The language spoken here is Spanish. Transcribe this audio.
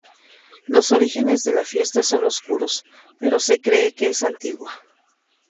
Los orígenes de la fiesta son oscuros, pero se cree que es antigua.